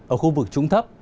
ở khu vực trung thấp